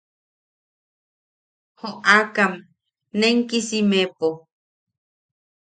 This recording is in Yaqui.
Joʼakam nenkisimepo.